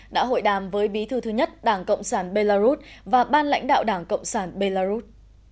đã hội đàm với bí thư thứ nhất đảng cộng sản belarus và ban lãnh đạo đảng cộng sản belarus